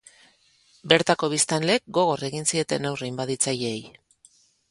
Bertako biztanleek gogor egin zieten aurre inbaditzaileei.